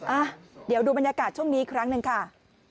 อ่ะเดี๋ยวดูบรรยากาศช่วงนี้อีกครั้งหนึ่งค่ะ